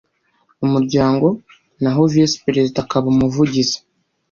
umuryango naho visi perezida akaba umuvugizi